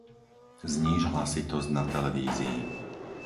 Zníž hlasitosť na televízii.